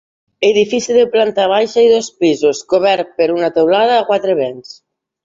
Edifici de planta baixa i dos pisos, cobert per una teulada a quatre vents.